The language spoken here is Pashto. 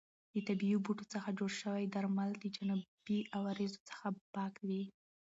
د طبیعي بوټو څخه جوړ شوي درمل د جانبي عوارضو څخه پاک وي.